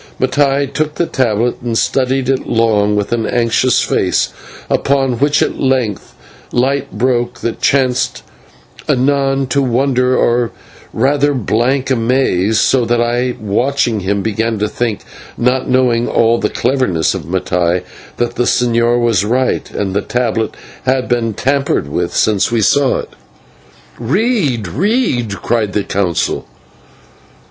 Now Mattai took the tablet and studied it long with an anxious face, upon which at length light broke that changed anon to wonder, or rather blank amaze, so that I, watching him, began to think, not knowing all the cleverness of Mattai, that the señor was right, and the tablet had been tampered with since we saw it. "Read! Read!" cried the Council.